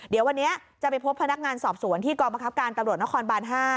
เดี๋ยววันนี้จะไปพบพนักงานสอบสวนที่กองบังคับการตำรวจนครบาน๕